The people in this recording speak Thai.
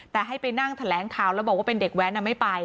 แต่ให้ไปนั่งแถลงข่าวแล้วบอกว่าเป็นเด็กแว้นไม่ไป